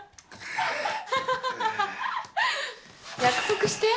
約束して。